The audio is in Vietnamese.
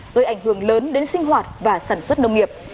gây ảnh hưởng lớn đến sinh hoạt và sản xuất nông nghiệp